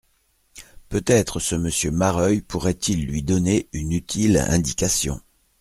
Peut-être ce Monsieur Mareuil pourrait-il lui donner une utile indication.